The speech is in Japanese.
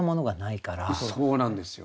そうなんですよ。